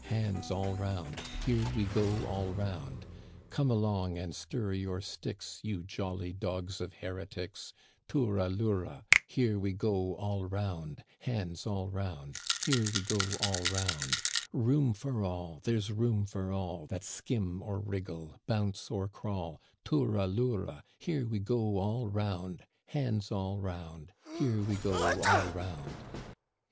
Hands all round. Here we go all round. Come along and stir your sticks, You jolly dogs of heretics — Toura loura ; Digitized by VjOOQIC 44 THE CANADIANS OF OLD. Here we go all round, Hands all round. Here we go all round. Room for all, there's room for all That skim or wriggle, bounce or crawl— Toura loura ; Here we go all round, Hands all round, Here we go all round."